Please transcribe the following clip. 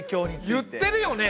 言ってるよね！